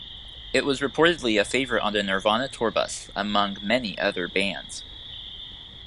It was reportedly a favorite on the Nirvana tour bus, among many other bands.